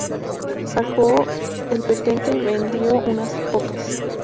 Sacó la patente y vendió unas pocas.